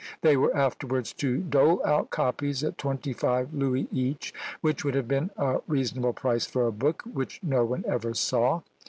They were afterwards to dole out copies at twenty five louis each, which would have been a reasonable price for a book which no one ever saw!